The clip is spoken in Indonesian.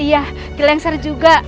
iya gelengser juga